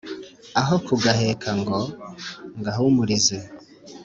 aho kugaheka ngo ngahumurize